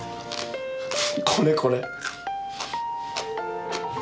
これこれ。